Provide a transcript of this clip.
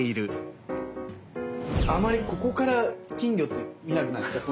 あまりここから金魚って見なくないですか？